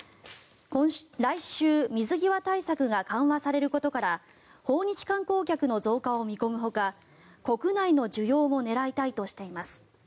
来週、水際対策が緩和されることから訪日観光客の増加を見込むほか国内の需要も狙いたいとしています。